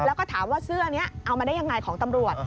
แล้วก็ถามว่าเสื้อนี้เอามาได้ยังไงของตำรวจ